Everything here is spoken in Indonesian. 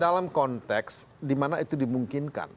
dalam konteks di mana itu dimungkinkan